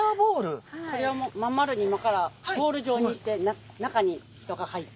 これを真ん丸に今からボール状にして中に人が入って。